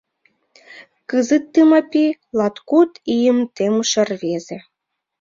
Кызыт Тымапи — латкуд ийым темыше рвезе.